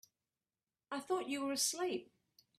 I thought you were asleep.